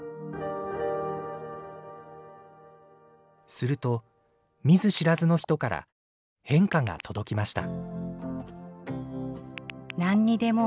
すると見ず知らずの人から返歌が届きました。